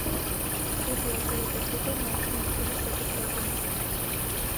დუდი აგირდებუ დო მართი მუთუნი შეგიტყვებუნია.